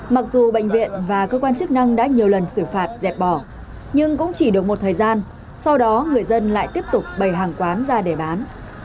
mặc dù bệnh viện và cơ quan chức năng đã nhiều lần xử phạt dẹp bỏ nhưng cũng chỉ được một thời gian sau đó người dân lại tiếp tục bày hàng quán ra để bán